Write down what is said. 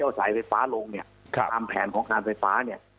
เอาสายไฟฟ้าลงเนี่ยตามแผนของการไฟฟ้าเนี่ย